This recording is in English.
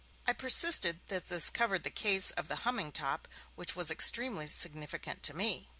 I persisted that this covered the case of the humming top, which was extremely significant to me.